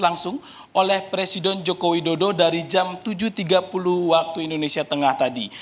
langsung oleh presiden joko widodo dari jam tujuh tiga puluh waktu indonesia tengah tadi